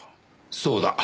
そうだ。